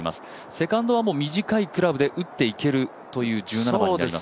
セカンドは短いクラブで打っていける１７番になります。